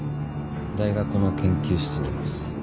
大学の研究室にいます。